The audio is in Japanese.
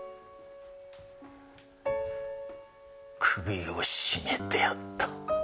首を絞めてやった。